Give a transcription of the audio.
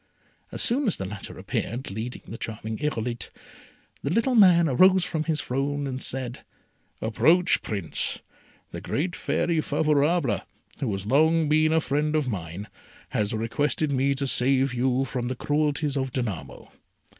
As soon as the latter appeared leading the charming Irolite, the little man rose from his throne and said, "Approach, Prince. The great Fairy Favourable, who has long been a friend of mine, has requested me to save you from the cruelties of Danamo.